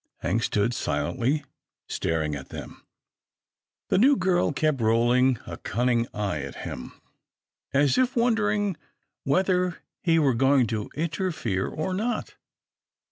Hank stood silently staring at them. The new girl kept rolling a cunning eye at him, as if won dering whether he were going to interfere or not.